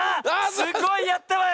すごいやったわよ！